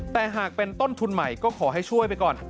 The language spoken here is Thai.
แต่หากเป็นต้นทุนใหม่ก็ขอให้ช่วยไปก่อน